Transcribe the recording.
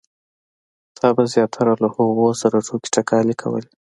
تا به زیاتره له هغو سره ټوکې ټکالې کولې.